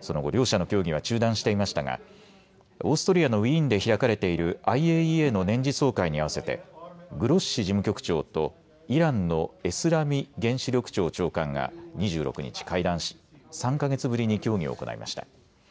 その後、両者の協議は中断していましたがオーストリアのウィーンで開かれているＩＡＥＡの年次総会に合わせてグロッシ事務局長とイランのエスラミ原子力庁長官が２６日、会談し３か月ぶりに協議を行いました。